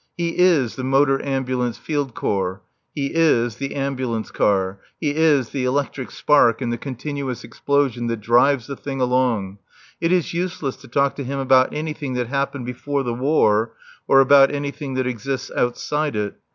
He is the Motor Ambulance Field Corps; he is the ambulance car; he is the electric spark and the continuous explosion that drives the thing along. It is useless to talk to him about anything that happened before the War or about anything that exists outside it.